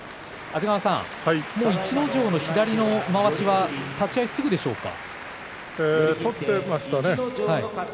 安治川さん逸ノ城の左のまわしは立ち合い、すぐですか？